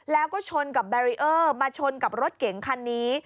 แล้วก็ชนกับแบรีเออร์มาชนกับรถเก๋งคันนี้